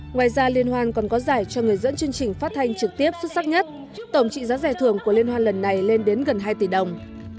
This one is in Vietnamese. ngoài ra liên hoan còn có giải cho người dẫn chương trình phát thanh trực tiếp xuất sắc nhất tổng trị giá giải thưởng của liên hoan lần này lên đến gần hai tỷ đồng